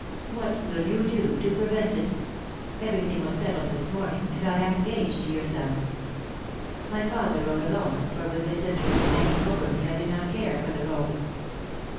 "What will you <Jo to prevent it? Everything was settled this morning, and I am engaged to your son. My father rode alone, for with this interview hanging over me I did not care for the Row.